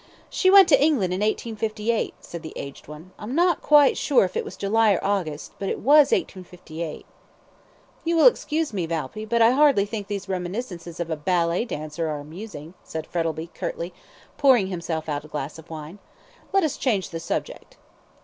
"She went to England in 1858," said the aged one. "I'm not quite sure if it was July or August, but it was in 1858." "You will excuse me, Valpy, but I hardly think that these reminiscences of a ballet dancer are amusing," said Frettlby, curtly, pouring himself out a glass of wine. "Let us change the subject."